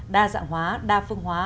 đa dạng hóa đa phương hóa